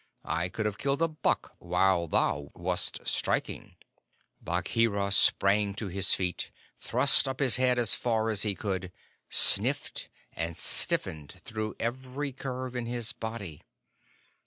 I could have killed a buck while thou wast striking." Bagheera sprang to his feet, thrust up his head as far as he could, sniffed, and stiffened through every curve in his body.